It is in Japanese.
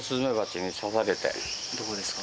どこですか？